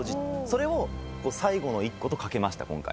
それを最後の１個と掛けました今回。